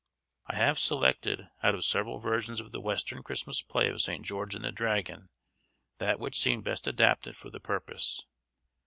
I have selected, out of several versions of the western Christmas play of 'St. George and the Dragon,' that which seemed best adapted for the purpose.